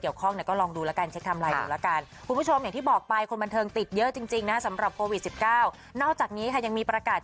ว่ามีการถ่ายรูปอะไรต่างให้ดูได้ครับ